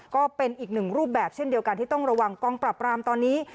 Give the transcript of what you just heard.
ก็เป็นอีกหนึ่งรูปแบบเช่นเดียวกันที่ต้องระวังกองปรับรามตอนนี้